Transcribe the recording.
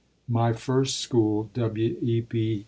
MY FIRST SCHOOL W. E. B.